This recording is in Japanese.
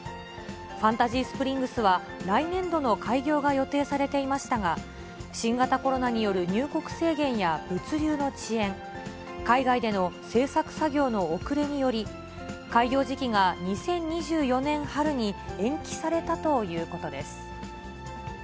ファンタジースプリングスは、来年度の開業が予定されていましたが、新型コロナによる入国制限や物流の遅延、海外での制作作業の遅れにより、開業時期が２０２４年春に延期されたということです。